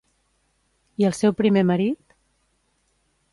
I el seu primer marit?